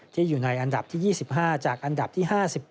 อยู่ในอันดับที่๒๕จากอันดับที่๕๗